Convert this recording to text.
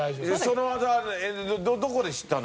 その技どこで知ったの？